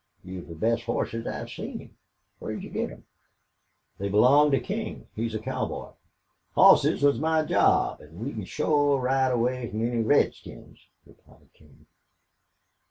You've the best horses I've seen. Whar'd you git them?" "They belong to King. He's a cowboy." "Hosses was my job. An' we can shore ride away from any redskins," replied King.